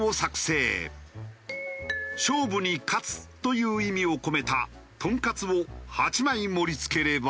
「勝負に勝つ」という意味を込めたトンカツを８枚盛り付ければ。